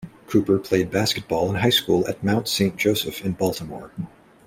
Cooper played basketball in high school at Mount Saint Joseph in Baltimore.